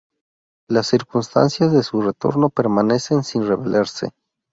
Las circunstancias de su retorno permanecen sin revelarse.